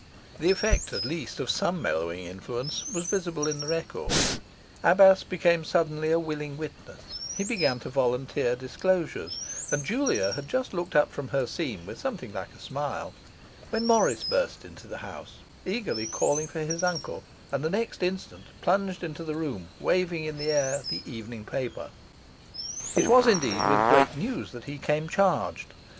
The effect, at least, of some mellowing influence was visible in the record: Abbas became suddenly a willing witness; he began to volunteer disclosures; and Julia had just looked up from her seam with something like a smile, when Morris burst into the house, eagerly calling for his uncle, and the next instant plunged into the room, waving in the air the evening paper. It was indeed with great news that he came charged.